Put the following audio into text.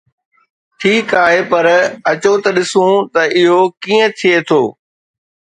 ٺيڪ آهي، پر اچو ته ڏسو ته اهو ڪيئن ٿئي ٿو.